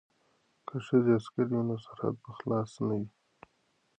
که ښځې عسکرې وي نو سرحد به خلاص نه وي.